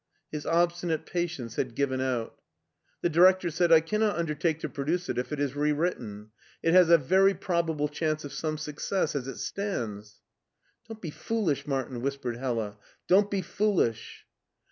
'' His obstinate patience had given out. The director said, " I cannot undertake to produce it if it is rewritten. It has a very probable chance of some success as it stands.'' "Don't be foolish, Martin," whispered Hella; " don't be foolish."